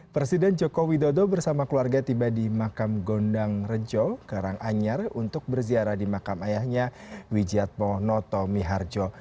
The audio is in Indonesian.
presiden joko widodo bersama keluarga tiba di makam gondang rejo karanganyar untuk berziarah di makam ayahnya wijiatmo noto miharjo